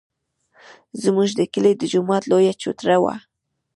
زموږ د کلي د جومات لویه چوتره وه.